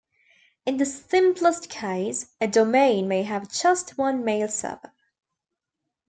In the simplest case, a domain may have just one mail server.